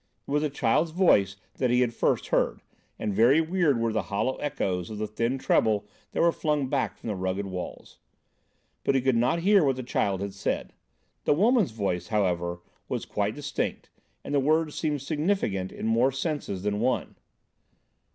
It was a child's voice that he had first heard, and very weird were the hollow echoes of the thin treble that were flung back from the rugged walls. But he could not hear what the child had said. The woman's voice, however, was quite distinct, and the words seemed significant in more senses than one.